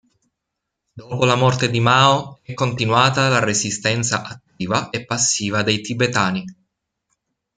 Dopo la morte di Mao, è continuata la resistenza attiva e passiva dei tibetani.